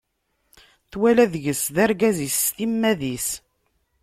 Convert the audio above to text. Twala deg-s d argaz-is s timmad-is.